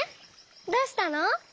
どうしたの？